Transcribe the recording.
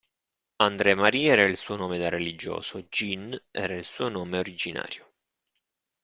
André-Marie era il suo nome da religioso, Jean il suo nome originario.